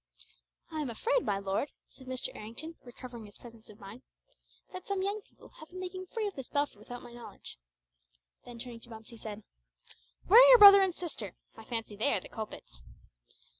"I am afraid my lord," said Mr. Errington, recovering his presence of mind, "that some young people have been making free of this belfry without my knowledge." Then turning to Bumps he said, "Where are your brother and sister? I fancy they are the culprits."